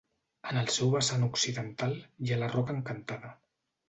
En el seu vessant occidental hi ha la Roca Encantada.